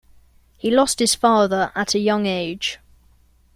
He lost his father at a young age.